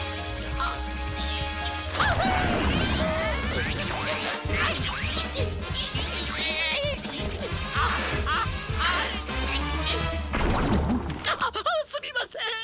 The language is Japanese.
あっあっすみません。